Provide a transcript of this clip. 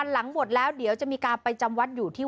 หลังหมดแล้วเดี๋ยวจะมีการไปจำวัดอยู่ที่